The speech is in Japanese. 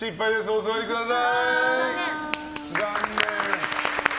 お座りください。